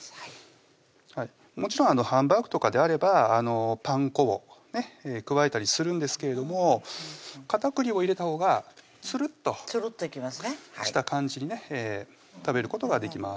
もちろんハンバーグとかであればパン粉を加えたりするんですけれども片栗を入れたほうがつるっとした感じにね食べることができます